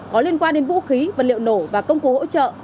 có liên quan đến vũ khí vật liệu nổ và công cụ hỗ trợ